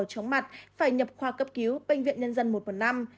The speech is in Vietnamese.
chống mặt phải nhập khoa cấp cứu bệnh viện nhân dân một phần năm